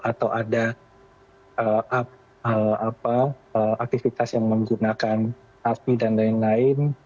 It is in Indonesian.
atau ada aktivitas yang menggunakan api dan lain lain